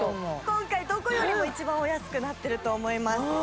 今回どこよりも一番お安くなってると思います